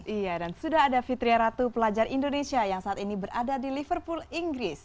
iya dan sudah ada fitria ratu pelajar indonesia yang saat ini berada di liverpool inggris